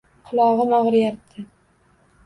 Qulog'im og'riyapti.